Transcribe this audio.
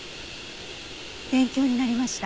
勉強になりました。